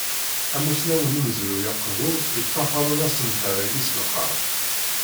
Amusnaw n umezruy aqbur yeṭṭafaṛen asenfar-agi s lqerb.